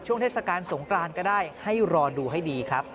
เทศกาลสงกรานก็ได้ให้รอดูให้ดีครับ